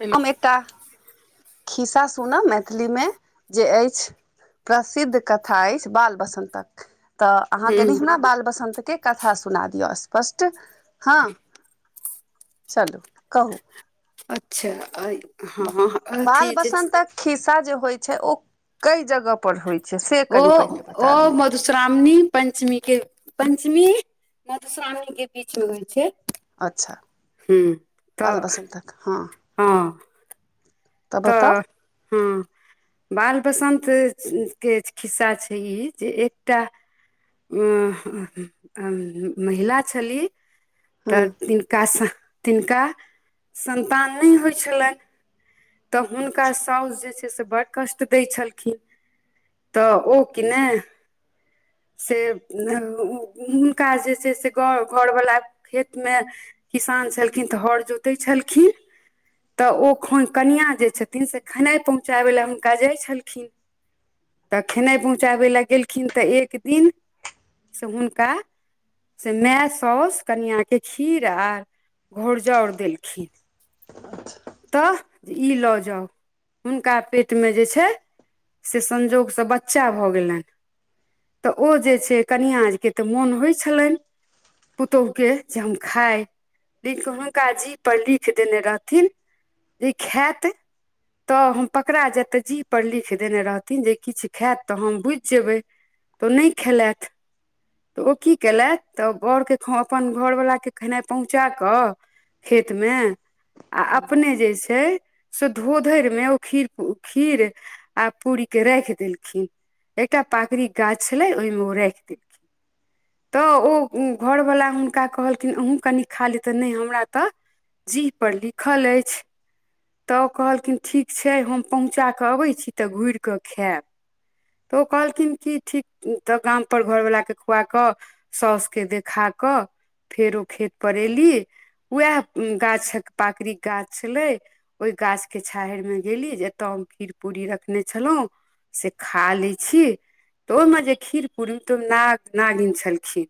hello हम एकटा खिस्सा सुनम मे मैथिलीमे जे अछि प्रसिद्ध कथा अछि बाल बसन्तक तऽ अहाँ कनि हूँ हमरा बाल बसन्त के कथा सुना दिया स्पष्ट हां चलु कहु अच्छा हँ बाल अथी [unintelligible] बसन्तक खिस्सा जे होइ छै ओ कए जगह पर होइत छै से ओ कनि पहिले बता ओ दिय मधुश्रावणी पंचमी के पंचमी मधुश्रावणी के बीच मे होइ छै अच्छा हूँ बाल तऽ बसन्तक हँ हँ तऽ हँ बाल बसन्त के खिस्सा छै ई जे एकटा महिला छली हँ तऽ तिनकासं तिनका संतान नइ होइ छलनि तऽ हुनका साउस जे छै से बड़ कष्ट दै छलखिन तऽ ओ कि नइ से हुनका जे छै से गाँव घौरवला खेत मे किसान छलखिन तऽ हौर जोतै छलखिन तऽ ओ ख कनिया जे छथिन से खेनाइ पहुँचाबै लए हुनका जाइ छलखिन तखने पहुँचाबै लए गेलखिन तऽ एक दिन से हुनका से माय सौस कनिआ के खीर आर घोरजाउर देलखिन अच्छा तऽ ई लऽ जाउ हुनका पेटमे जे छै से संजोगसे बच्चा भऽ गेलनि तऽ ओ जे छै कनिया जके तऽ मोन होइ छलनि पुतोहु के जे हम खाय लिख हुनका जी पर लिख देने रहथिन इ खायत तऽ हम पकड़ा जेतै जी पर लिख देने रहथिन जे किछु खायत तऽ हम बुझि जेबै उ नइ खेलथि तऽ ओ की कयलथि तऽ बरके अपन घरवलाके खेनाइ पहुँचा कऽ खेतमे आ अपने जे छै से धोधरि मे ओ खीर खीर आ पूरी के राखि देलखिन एकटा पाकड़ी गाछ छलै ओइमे ओ राइख देलक तऽ ओ घरवला हुनका कहलखिन अहूँ कनि खा लेतै नइ हमरा तऽ जी पर लिखल अछि तऽ ओ कहलखिन ठीक छै हम पहुँचा कऽ अबै छी तऽ घुरि कऽ खायब तऽ ओ कहलथिन कि ठीक तऽ गामपर घरवलाके खुआ कऽ साउसके देखा कऽ फेर ओ खेत पर एयली उएह गाछ पाकड़िके गाछ छलै ओइ गाछके छांहरिमे गेली जे एतय हम खीर पूरी रखने छलौं से खा लै छि तऽ ओइमे जे खीर पूरी तइमे नाग नागिन छलखिन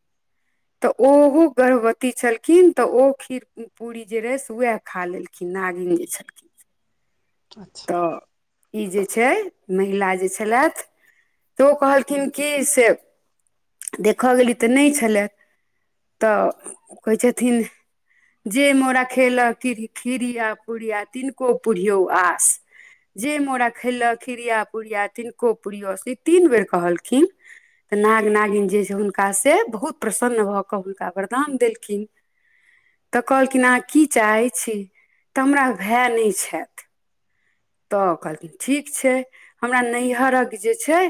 तऽ ओहो गर्भवती छलखिन तऽ ओ खीर पूड़ी जे रहै से वएह खा लेलखिन नागिन जे छलखिन अच्छा ह ई जे छै महिला जे छलथि ओ कहलखिन कि से देखय गेली तऽ नहि छलथि तऽ कहै छथिन जे मोर खेल खीरिया पूरिया तनको पूरियौ आस जे मोरा खेयल खीड़िया पुड़िया तिनको पुरियह आस ई तीन बेर कहलखिन त नाग नागिन जे छै हुनका से बहुत प्रसन्न भऽ कऽ हुनका वरदान देलखिन तऽ कहलखिन अहाँ की चाहै छी तऽ हमरा भाय नइ छथि तऽ कहलखिन ठीक छै हमरा नैहरक जे छै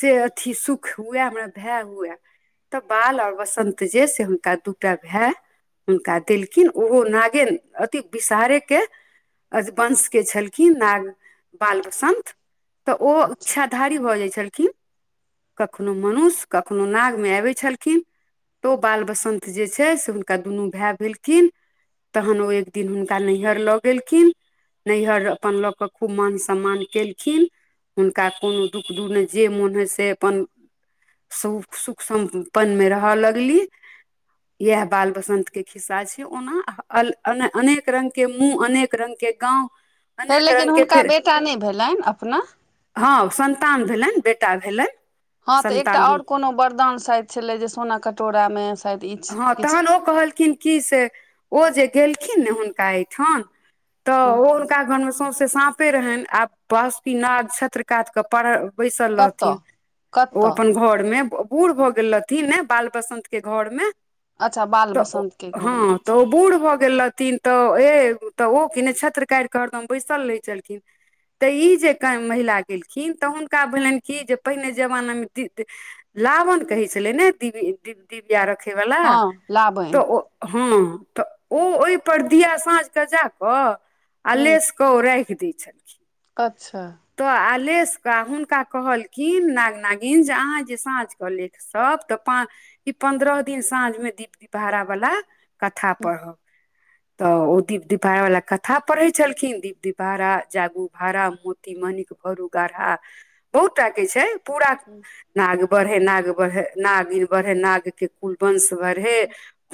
से अथी सुख हुए हमरा भाय हुए तऽ बाल और बसंत जे से हुनका दूटा भाय हुनका देलखिन ओहो नागे अथि विषहारेके अथ वंश के छलखिन कि नाग बाल बसन्त तऽ ओ अच्छा इच्छाधारी भऽ जाइ छलखिन कखनो मनुष्य कखनो नागमे आबै छलखिन तो बाल बसन्त जे छै से हुनका दुनू भाय भेलखिन तहन ओ एक दिन हुनका नैहर लऽ गेलखिन नैहर अपन लऽ क खूब मान सम्मान केलखिन हुनका कोनो दुःख दुःख नहि जे मोन होइ से अपन सु सुख सम्पन्नमे रहय लगली इह बाल बसंत के खिस्सा छै ओना अने अनेक रंगग के मुँह अनेक रङंग के गाँव फेर अनेक लेकिन रङ्गके हुनका फेर बेटा नहि भेलनि अपना हँ संन्तान भेलनि बेटा भेलनि हँ तऽ एकटा सन्तान और हुन कोनो वरदान शायद छलै जे सोना कटोरा मे हँ तहन ओ कहलखिन कि से ओ जे गेलखिन ने हुनका एहिठाम तऽ ओ हुनका घरमे सौंसे साँपे रहनि आ बहुकीनाथ छ्षत्र कात के पढ़ बैसल कतऽ रहथिन ओ कतऽ अपन घर मे बूर भ गेल रहथिन ने बाल बसंत के घर मे अच्छा ब तऽ हँ तऽ ओ बूढ़ भऽ गेल रहथिन तऽ ए तऽ ओ कि ने छत्र काि कऽ हरदम बैसल रहै छलखिन तऽ ई जे महिला गेलखिन तऽ हुनका भेलनि कि जे पहिने जमानामे लावन कहै छलै ने दि दिव्या रखैवालला हँ लाबनि तऽ ओ हँ तऽ ओ ओहिपर दिया साँझके जा कऽ हूँ अलेसक ओरे आगदी ई च ने अच्छा तऽ आलेशके हुनका कहलखिन नाग नागिन जे अहाँ जे साँझ कऽ लेथि सब तऽ पा ई पन्द्रह दिन साँझमे दीप दी भड़ा बला कथा पढ़ब तऽ ओ दीप दिबारा वाला कथा पढ़ै छलखिन दीप वारा जागू भारा म मनिक भौरू गाढ़ा बहुत टा के छै पूरा ह नाग बढ़े नाग बढ़े नागिन बढ़े नाग के कुल वंश बढ़े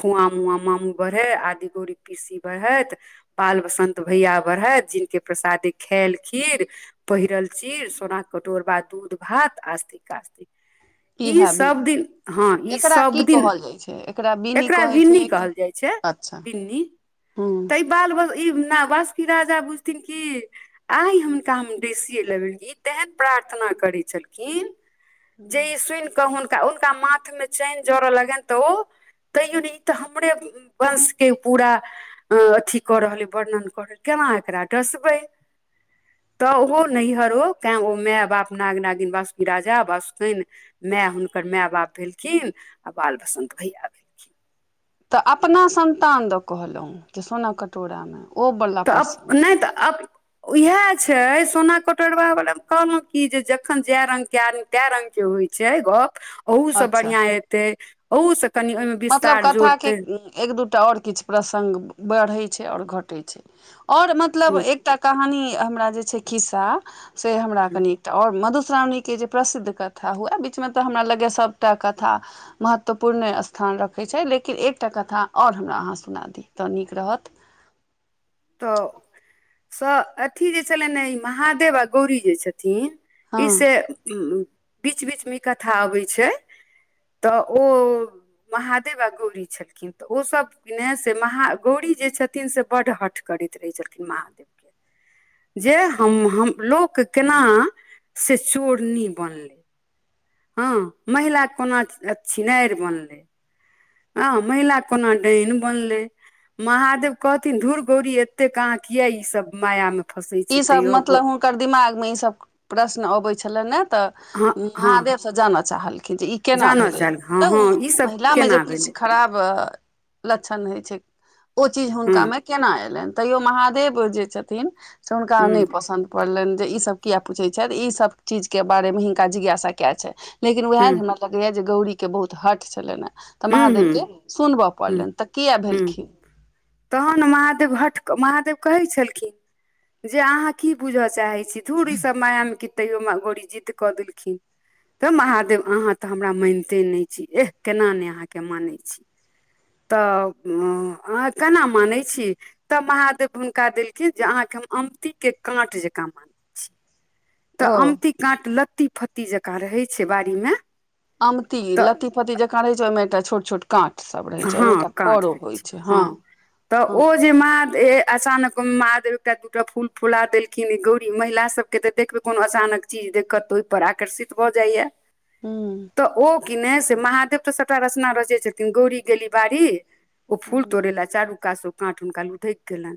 खुआँ मुुआँ मामू बढ़े आदि गोरी पीरसी बढ़ैत बाल बसंत भैया बढ़त जिनक प्रसादे खायल खीर पहिरल चीर सोनााक कटोर बा दूध भात आस्थििक कास्तिक ई इहै बीन सब दिन हँ ई एकरा सब की दिन कहल जाइ छै बीनी एकरा कहै भिन्नी छै कहल जाइ छै बन् हँ ई बाल ब ई न बासकी राजा बुझथिन की आइ हुनका हम डसिए लेबी तेन प्रार्थना करै छलखिन जे ई सुनि कऽ हुनका हुनका माथमे चैानि जड़य लगनि तऽ ओ तैयो ने ई तऽ हमरे वंश के पूरा अ अथी कऽ रहलइ वर्णन कर रहल केना एकरा डसबै तऽ ओहो नैहरो कैं ओ माय बाप नाग नागिन बासुकी राजा बासुकनि माय हुनकर माय बाप भेलखिन आ बाल बसन्त भैया भेल तऽ अपना संन्तान दऽ कहलहुं जे सोना कटोरा मे तऽ अब नहि तऽ अब इएह छै सोना कटोरबा वाले मे कहलहुं की जे जखन जाय रंग के आदम क रंगग के होइ छै गप ओहू से अच्छा बढ़िया एतै ओहू से कनि ओहिमे मतलब विस्तार कथाके जोड़तै एक दूटा ओर किछु प्रसङ्ग बढ़ै छै आओर घटै छै आओर मतलब हूँ एकटा कहानी हमरा जे छै खिस्सा से हमरा हूँ कनि तऽ आओर मधुश्रावणीके जे प्रसिद्ध कथा हुए बीचमे तऽ हमरा लगैए सभटा कथा महत्वपूर्ण स्थान रखैत छै लेकिन एकटा कथा आओर हमरा अहाँ सुना दी तऽ नीक रहत तऽ स अथी जे छलनि ने ई महादेव आ गौरी जे छथिन हँ ईसँ बीच बीचमे ई कथा अबै छै तऽ ओ महादेव आ गौरी छलखिन त ओ सब ने से महा गौरी जे छथिन से बड हट करैत रहै छलखिन महादेव के जे हम हम लोक केना से चोरनी बनलै हँ महिला कोना छिनारि बनलै हँ महिला कोना डहन बनलै महादेव कहथिन धुर गौरी एते कहाँ क यिय ई सब माया मे ई सब मतलब हुनकर दिमाग में ई सब प्रश्न अबे छलनि ने तऽ हँ हँ महादेव से जानय चाहलखिन जे ई केना जानऽ भेलै चाहल हँ हँ तब ईसभ महिलामे जे केना किछु भेलै खराब लक्षण होइ छै ओ चीज हँ हुनकामे केना एलनि तैयो महादेव जे छथिन से हुनका नहि हँ पसन्द पड़लनि जे ईसभ कियाक पूछैत छै ईसभ चीजके बारेमे हिनका जिज्ञासा किया छ लेकिन उएह हँ हमरा लगैए जे गौड़ीके बहुत हट छलनि हेँ तऽ महादेव के हँ सुनबऽ हँ पड़लनि तऽ किया हँ भेलखिन तहन महादेव भट महादेव कहै छलखिन जे अहाँ की बुझ चाहैत छी थूड़ ईसभ मायामे क तैयो माँ गोरी जीत कऽ देलखिन तब महादेव अहाँ तऽ हमरा मानिते नहि छी एह केना नहि अहाँके मानै छी तऽ अह केना मानैत छी तब महादेव हुनका देलखिन जे अहाँके हम अमतीक के काँट जकाँ मानै छिय तऽ ओ अमती काट लत्ती फत्ती जकाँ रहे छै बाड़ी में आमती लत्ती फत्ती जेक रहै छै ओहिमे एकटा छोट छोट काँठ सब रहै छै ओहिमे हँ एकटा काँट फरो रहै होइ छै हँ तऽ हँ ओ जे मह ए अचानक माद एकटा दूटा फूल फुला देलखिन गौरी महिला सब के तऽ देखबै कोनो आसानक चीज देखत तऽ ओहि पर आकर्षित भऽ जाइया हँ तऽ ओ कि नहि से महादेव तऽ सभटा रचना रचै छथिन गौरी गी बारी ओ फूल तोड़े ला चारू कात ओ काँठ हुनका लुठक गेलन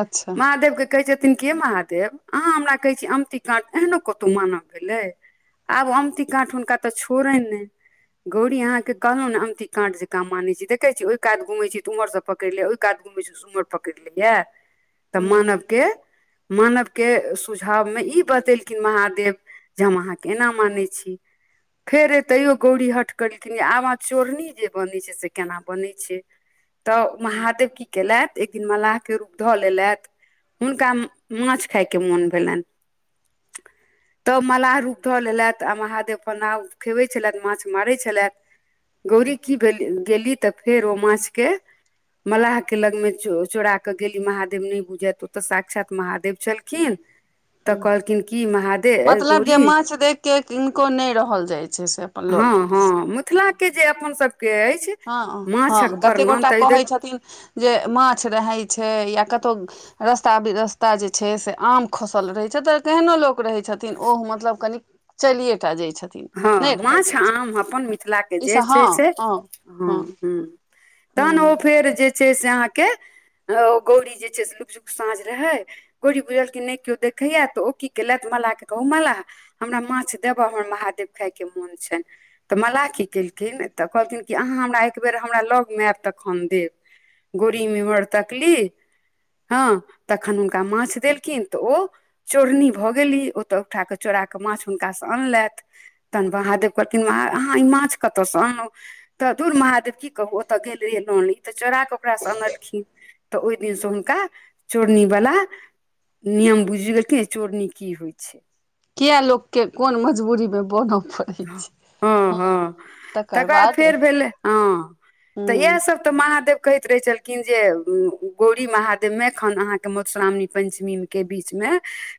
अच्छा महादेव के कहै छथिन कि महादेव अहाँ हमरा कहै छी अमती काणड एहनो कतहु मानय गेलै आब अमती काँट हुनका तऽ छोड़नि ने गौरी अहाँके कहलहु ने अमती काँट जे काम मान छ छी देख छियै ओहि कात घुम छ छी तऽ उमहर पकड़ ले ओहि कात घुमै छै उमर पकड़ ले यए तऽ हूँ मानव के मानव के सुझाव मे ई बतेलखिन महादेव जे हम अहाँ के एना मानै छी फेर ए तैयो गौरी हट करलखिन आबा चोरनी जे बनै छै से केना बनै छै तऽ महादेव की केलथि एक दिन मल्लाह के रूप धऽ लेलथि हुनका माछ खायके मोन भेलन [inaudible] तब मलाह रूप धऽ लेलथि आ महादेव प नाव खेबै छलथि माछ मारैत छलथि गौरी की भेल गेली तऽ फेर ओ माछके मल्लाह के लंग मे चोरा के गेली महादेव नहि बुझायत ओते साक्षात महादेव छलखिन [inaudible] तऽ ह कहलखिन की महादेव मतलब जे गौरी माछ देख कऽ किनको नहि रहल जाइत छै से लऽ हँ लेली से हँ मिथिला जे अपनसभके अछि हँ हँ माछक कते वर्णन गोटा तऽ ई देख कहै छथिन जे माछ रहै छै या कतहु रस्ता बिरस्ता जे छै से आम खसल रहैत छै तऽ तेहनो लोक रहै छथिन ओ मतलब कनि चलिये टा जाइ छथिन हँ नहि रहल माछ जाइ आम अपन मिथिलाके ई जे सब हँ छै से हँ हँ तहन हूँ ओ फेर जे छै से अहाँके ह ओ गौरी जे छै से लुक जुक साँझ रहै गौरी बुझलखिन नहि केओ देखैय त ओ की केलय मलाहँ कहू मलाह हमरा माछ देबह हमरा महादेव खायके मोन छै त मल्लाह की केलखिन त कहलखिन कि अहाँ हमरा एक बेेर हमरा लगमे आयब तखन देब गौरी मी हर तकली हँ तखन हुनका माछ देलखिन त ओ चोरनी भऽ गेली ओतय उठा कऽ चोराके माछ हुनकासँ अनलैथ तहन महादेव कहलखिन अहाँ ई माछ कतऽसँ अनहु तऽ दूर महादेव की कहू ओत गेल रहिय लोन ई त चोरा क ओकरासँ अनलखिन त ओहि दिनसँ हुनका चोरनी बला नियम बुझि गेल चोरनी की होइ छै किया लोक के कोन मजबूरी मे बनअ पड़े हँ हँ तकर फेर भेलै हँ त हूँ इएह सब त महादेव कहैत रहै छलखिन जे गौरी महादेव मे खन अहाँके मधुश्रावणी पंचमी के बीचमे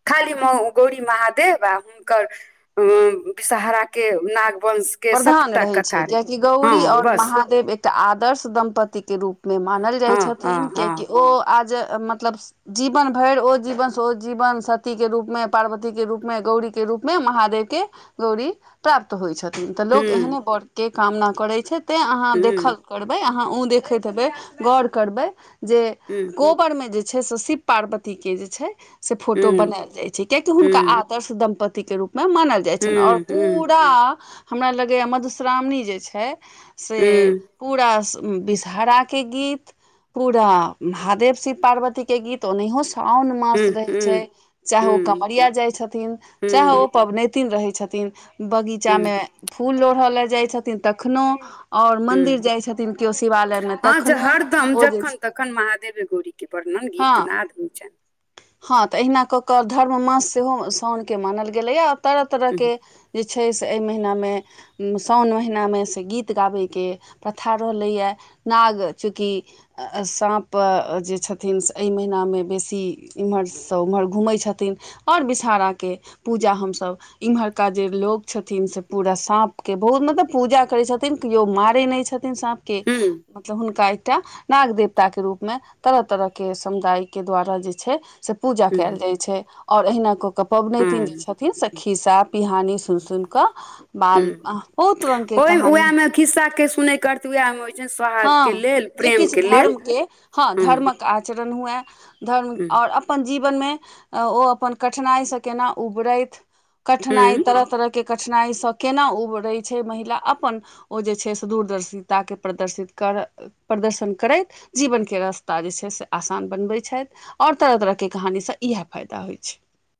खाली म गौरी महादेव आ हुनकर अ विषहरा के नागवंश के प्रधान सबटा रहे छै कथा रहै कियाकि गौरी हँ ओर बस महादेव एक त आदर्श दम्पतिके रूप मे मानल जाई हँ हँ छथिन कियाकि हँ ओ आज मतलब जीवन भरि ओ जीवन सँ ओ जीवन सती के रूप मे पार्वती के रूप मे गौरी के रूप मे महादेव के गौरी प्राप्त होइ छथिन त हूँ लोक एहने वर के कामना करै छै तै अहाँ हूँ देखल करबै अहाँ ओ देखैत हेबै गौर करबै जे हूँ कोप ऊपर में जे छै से शिव पार्वती के जे छै से फोटो हूँ बनायल जाय छै कियाकि हुनका हूँ आ आदर्श दंपति के रूप मे मानल जाइ हूँ छनि ओर हूँ हूँ पूरा हमरा लगैए मधुश्रावणी जे छै से हूँ पूरा विषहारा के गीत पूरा महादेव शिव पार्वती के गीत ओनहो छाओन मास हूँ रहै छै चाहे ओ हूँ कवरिया जाइ छथिन चाहे हूँ ओ पबनैत रहै छथिन बगीचा हूँ मे फूल लोढ़य ल जाइ छथिन तखनो ओर मंदिर हूँ जाइ छथिन केओ शिवालय मे हँ जे तखनो ओ जे छै प्रर्णन गीत हँ नाद होइच हँ त अहिना क क धर्म मास सेहो साओनके मानल गेलैय तरह तरह छनि के जे छै से एहि महिना मे साओन महिनामे से गीत गाबैके प्रथा रहलैए नाग चुकी साँप जे छथिन से एहि महनामे बेसी एम्हरसँ ओम्हर घूमै छथिन ओर विषहारा के पूजा हमसभ इम्हरका जे लोक छथिन से पूरा साँप के बहुत मतलब पूजा करै छथिन केओ मारे नहि छथिन साँप के हुँ हुनका एकटा नाग देवताके रूपमे तरह तरहके समुदायके द्वारा जे छै से पूजा कयल हुँ जाइ छै आओर अहिना क क पबनैतिन जे हुँ छथिन हे सखी सब पिहानी सुन सुन क बाल बहुत रंगके कहानी खिस्सा के सुनै करते उएहमे होइत छ सोहाग के हँ लेल जे किछु प्रेमके लेल धर्मके हँ हूँ धर्मक आचरण हुए धर्म और अप अपन जीवन मे ओ अपन कठिनाई से केना उबरैत कठिनाई हुँ तरह तरह के के कठिनाई सँ केना उबरै छै महिला अपन ओ जे छै से दूरदर्शिता के प्रदर्शित कर प्रदर्शन करै जीवन के रास्ता जे छै से आसान बनबै छै ओर तरह तरह के कहानी सँ इएह फायदा होई छै